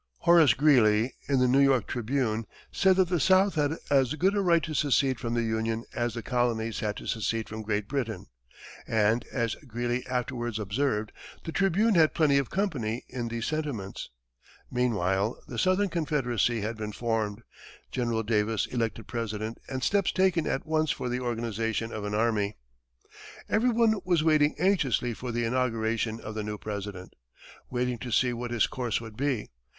Horace Greeley, in the New York Tribune, said that the South had as good a right to secede from the Union as the colonies had to secede from Great Britain, and, as Greeley afterwards observed, the Tribune had plenty of company in these sentiments. Meanwhile the Southern Confederacy had been formed, Jefferson Davis elected President, and steps taken at once for the organization of an army. Everyone was waiting anxiously for the inauguration of the new President waiting to see what his course would be.